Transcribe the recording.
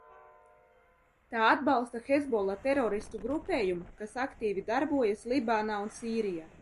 Tā atbalsta Hezbollah teroristu grupējumu, kas aktīvi darbojas Libānā un Sīrijā.